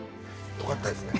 よかったですね。